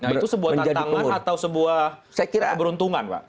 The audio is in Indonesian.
nah itu sebuah tantangan atau sebuah keberuntungan pak